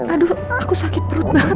aduh aku sakit perut banget